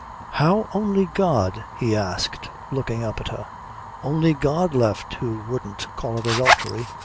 "How, only God?" he asked, looking up at her. "Only God left who wouldn't call it adultery?"